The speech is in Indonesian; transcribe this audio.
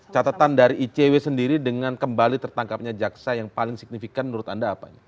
catatan dari icw sendiri dengan kembali tertangkapnya jaksa yang paling signifikan menurut anda apa ini